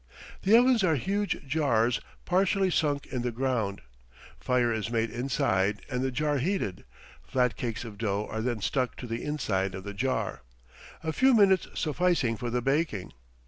The ovens are huge jars partially sunk in the ground; fire is made inside and the jar heated; flat cakes of dough are then stuck in the inside of the jar, a few minutes sufficing for the baking.